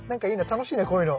楽しいなこういうの。